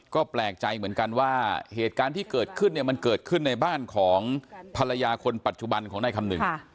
ก็แปลกใจเหมือนกันว่าเหตุการณ์ที่เกิดขึ้นเนี่ยมันเกิดขึ้นในบ้านของภรรยาคนปัจจุบันของนายคำนึง